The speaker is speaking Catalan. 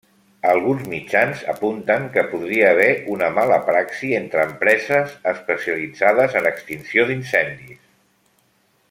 Alguns mitjans apunten que podria haver una mala praxi entre empreses especialitzades en extinció d'incendis.